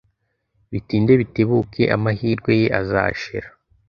Bitinde bitebuke, amahirwe ye azashira.